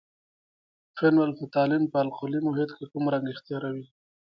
فینول فتالین په القلي محیط کې کوم رنګ اختیاروي؟